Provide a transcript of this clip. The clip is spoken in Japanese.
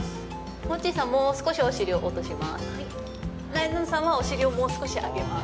モッチーさん、もう少しお尻を落とします。